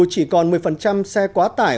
chỉ còn một mươi xe quá tải